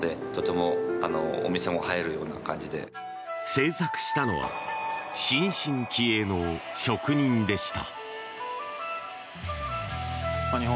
制作したのは新進気鋭の職人でした。